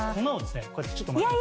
こうやってちょっとまきます。